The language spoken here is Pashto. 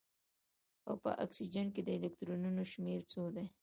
او په اکسیجن کې د الکترونونو شمیر څو دی